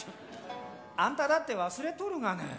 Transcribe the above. あんただって忘れとるがね！